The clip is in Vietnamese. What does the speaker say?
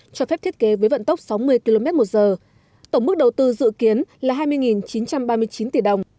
cho phép thiết kế với vận tốc sáu mươi km một giờ tổng mức đầu tư dự kiến là hai mươi chín trăm ba mươi chín tỷ đồng